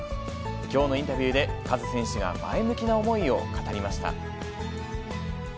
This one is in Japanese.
きょうのインタビューでカズ選手が前向きな思いを語りました。